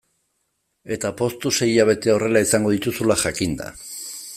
Eta poztu sei hilabete horrela izango ditugula jakinda.